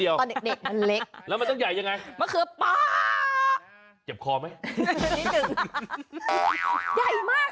ใหญ่มากเอาจริงเหมือนเป็นอย่างนี้ได้ยังไงของคนชนะ